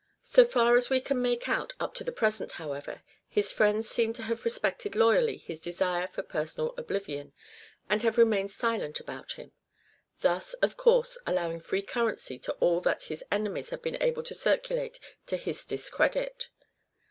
RECORDS OF EDWARD DE VERE 219 So far as we can make out up to the present, however, his friends seem to have respected loyally his desire for personal oblivion, and have remained silent about him ; thus, of course, allowing free currency to all that his enemies have been able to circulate to his discredit.